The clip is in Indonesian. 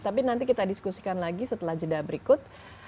tapi nanti kita diskusikan lagi setelah jeda berikut